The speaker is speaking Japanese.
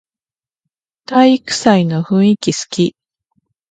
体育祭の雰囲気すき